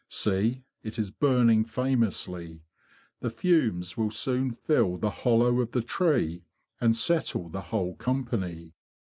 See! it is burning famously. The fumes will soon fill the hollow of the tree and settle the whole company.